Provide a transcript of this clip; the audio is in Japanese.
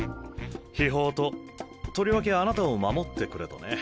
秘宝ととりわけあなたを守ってくれとね。